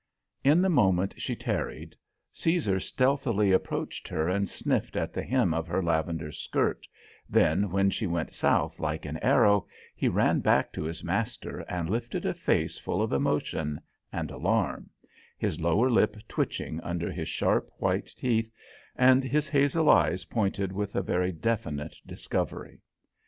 In the moment she tarried, Caesar stealthily approached her and sniffed at the hem of her lavender skirt, then, when she went south like an arrow, he ran back to his master and lifted a face full of emotion and alarm, his lower lip twitching under his sharp white teeth and his hazel eyes pointed with a very definite discovery.